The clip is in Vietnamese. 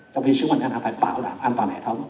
trong khi sử dụng ngân hàng phải bảo đảm an toàn hệ thống